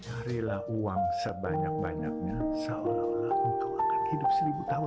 carilah uang sebanyak banyaknya seolah olah engkau akan hidup seribu tahun